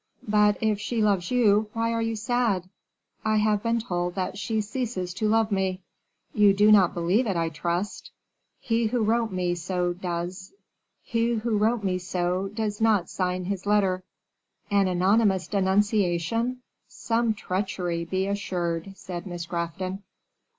"But if she loves you, why are you sad?" "I have been told that she ceases to love me." "You do not believe it, I trust?" "He who wrote me so does not sign his letter." "An anonymous denunciation! some treachery, be assured," said Miss Grafton.